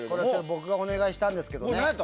僕がお願いしたんですけど。